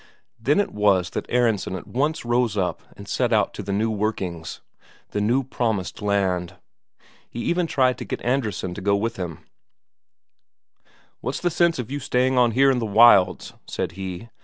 Then it was that Aronsen at once rose up and set out for the new workings, the new promised land. He even tried to get Andresen to go with him: "What's the sense of you staying on here in the wilds?" said he.